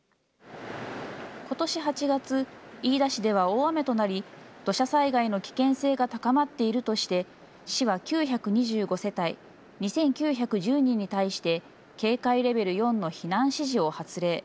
ことし８月、飯田市では大雨となり、土砂災害の危険性が高まっているとして、市は９２５世帯２９１０人に対して、警戒レベル４の避難指示を発令。